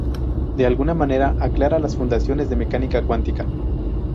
De alguna manera aclara las fundaciones de mecánica cuántica.